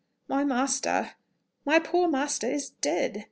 "My master ... my poor master is dead!"